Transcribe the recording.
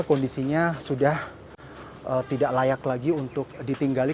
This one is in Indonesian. kondisinya sudah tidak layak lagi untuk ditinggali